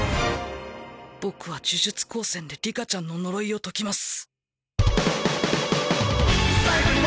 僕は呪術高専で里香ちゃんの呪いを解きます。